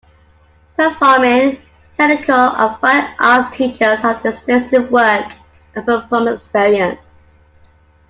Performing, technical, and fine arts teachers have extensive work and performance experience.